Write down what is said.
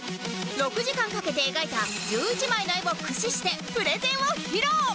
６時間かけて描いた１１枚の絵を駆使してプレゼンを披露！